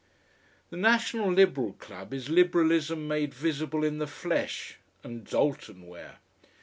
The National Liberal Club is Liberalism made visible in the flesh and Doultonware.